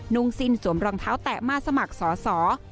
่งสิ้นสวมรองเท้าแตะมาสมัครสอสอ